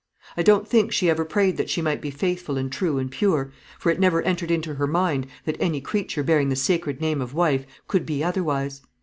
I don't think she ever prayed that she might be faithful and true and pure; for it never entered into her mind that any creature bearing the sacred name of wife could be otherwise.